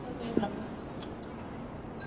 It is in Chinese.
意念来自第一代模拟城市。